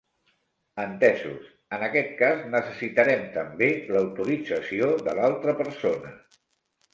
Entesos, en aquest cas necessitarem també l'autorització de l'altra persona.